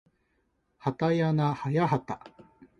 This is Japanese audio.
はたやなはやはた